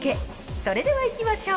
それではいきましょう。